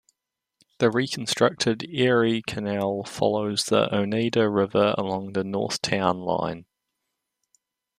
The reconstructed Erie Canal follows the Oneida River along the north town line.